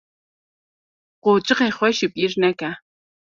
Qucixê xwe ji bîr neke.